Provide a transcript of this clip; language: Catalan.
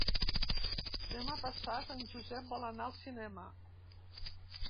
Demà passat en Josep vol anar al cinema.